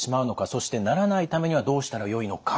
そしてならないためにはどうしたらよいのか。